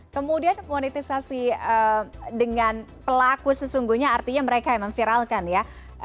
kemudian politisasi dengan pelaku sesungguhnya artinya mereka yang memviralkan ya